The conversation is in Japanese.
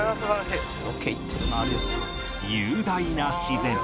雄大な自然